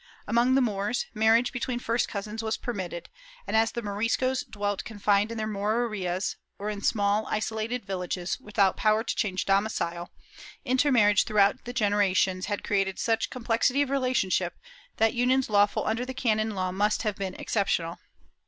Among the Moors, marriage between first cousins was permitted and, as the Moriscos dwelt confined in their Morerias, or in small, isolated villages, without power to change domicile, intermarriage throughout generations had created such complexity of relationship that unions lawful under the canon law must have been exceptional.